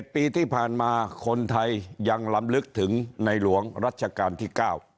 ปีที่ผ่านมาคนไทยยังลำลึกถึงในหลวงรัชกาลที่๙